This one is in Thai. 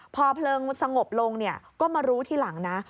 พอเพลิงสงบลงก็มารู้ทีหลังนะ